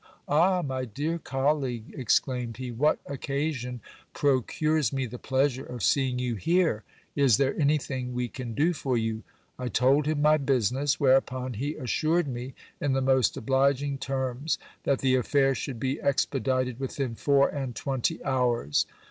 Ah, my dear colleague ! exclaimed he, what occasion procures me the pleasure of seeing you here ! Is there anything we can do for you ? I told him my business ; whereupon he assured me, in the most obliging terms, that the affair should be expedited within four and twenty hours.